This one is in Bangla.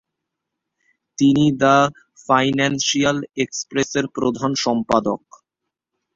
তিনি দ্য ফাইন্যান্সিয়াল এক্সপ্রেসের প্রধান সম্পাদক।